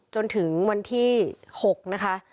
จนถึงวันที่๖นะคะ